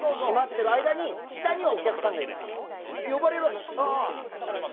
閉まってる間に下にはお客さんがいるから呼ばれるわけじゃないですか。